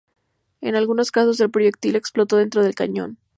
En algunos casos, el proyectil explotó dentro del cañón.